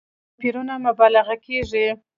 توپيرونو مبالغه کېږي.